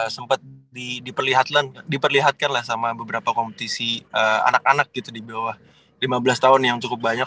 sempat diperlihatkan lah sama beberapa kompetisi anak anak gitu di bawah lima belas tahun yang cukup banyak